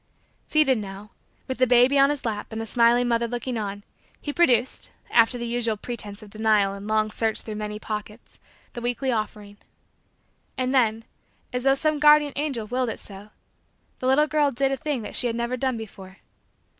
Seated now, with the baby on his lap and the smiling mother looking on, he produced, after the usual pretense of denial and long search through many pockets, the weekly offering. And then, as though some guardian angel willed it so, the little girl did a thing that she had never done before.